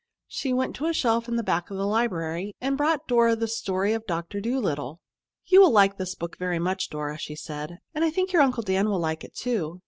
She went to a shelf in the back of the library and brought Dora the "Story of Doctor Dolittle." "You will like this book very much, Dora," she said. "And I think your Uncle Dan will like it, too.